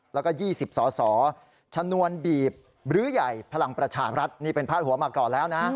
แล้วก็๒๐สสชนวนบีบรื้อใหญ่พลังประชาบรัฐนี่เป็นพาดหัวมาก่อนแล้วนะ